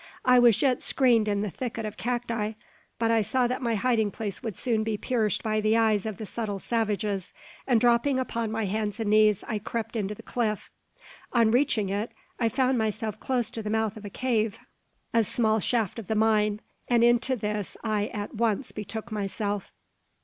I was yet screened in the thicket of cacti; but I saw that my hiding place would soon be pierced by the eyes of the subtle savages; and dropping upon my hands and knees, I crept into the cliff. On reaching it, I found myself close to the mouth of a cave, a small shaft of the mine, and into this I at once betook myself.